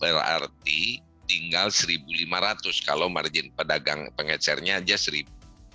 lrt tinggal satu lima ratus kalau margin pedagang pengecernya aja rp satu